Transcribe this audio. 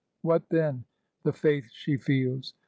What, then, the faith she feels?